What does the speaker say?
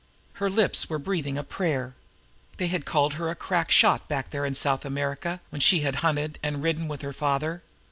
Her lips were breathing a prayer. They had called her a crack shot back there in South America, when she had hunted and ridden with her father.